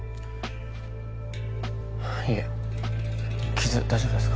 いえ傷大丈夫ですか？